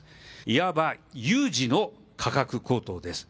いわば有事の価格高騰です。